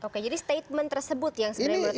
oke jadi statement tersebut yang sebenarnya